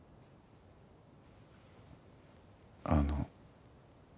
あの。